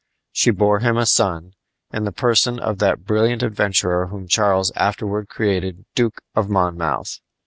She bore him a son, in the person of that brilliant adventurer whom Charles afterward created Duke of Monmouth.